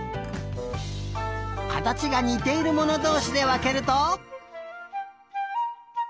かたちがにているものどうしでわけると。